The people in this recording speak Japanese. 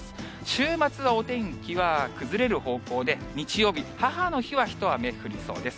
週末はお天気は崩れる方向で、日曜日、母の日はひと雨降りそうです。